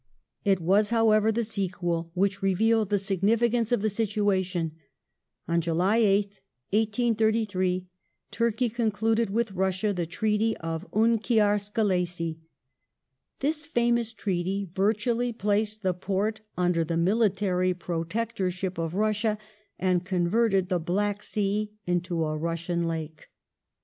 It was, however, the sequel which revealed the significance of Treaty of the situation. On July 8th, 1833, Turkey concluded with Russia g^^jj^^^j^ the Treaty of Unkiar Skelessi. This famous treaty virtually placed 1S33 the Porte under the military protectorship of Russia, and converted the Black Sea into a Russian lake.